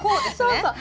そうそう。